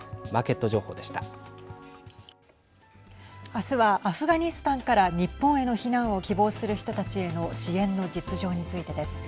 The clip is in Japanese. あすは、アフガニスタンから日本への避難を希望する人たちへの支援の実情についてです。